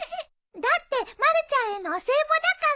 だってまるちゃんへのお歳暮だから。